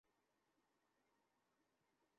মদীনার অনতিদূরে Banu Qurayza ইহুদী গোত্রের বস্তি ছিল।